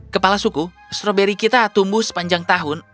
kepala suku stroberi kita tumbuh sepanjang tahun